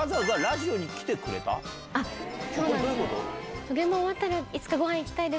これどういうこと？